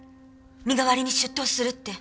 身代わりに出頭するって。